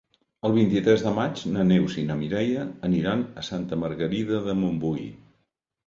El vint-i-tres de maig na Neus i na Mireia aniran a Santa Margarida de Montbui.